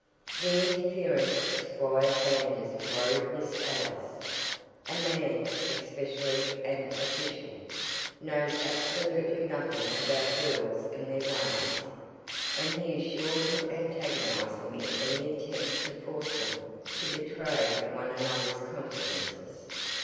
The interference of Squire Sanders worried Miss Ellis. A man, especially an official, knows absolutely nothing about girls and their ways, and he is sure to antagonize them in any attempt to force them to betray one another's confidences.